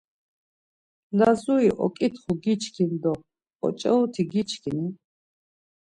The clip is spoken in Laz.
Lazuri oǩitxu giçkin do oç̌aruti giçkini?